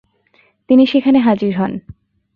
তিনি সেখানে হাজির হন।